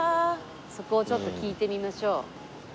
そこをちょっと聞いてみましょう。